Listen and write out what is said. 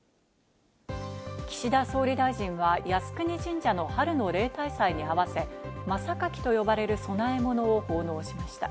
岸田総理大臣は靖国神社の春の例大祭に合わせ、真榊と呼ばれる供え物を奉納しました。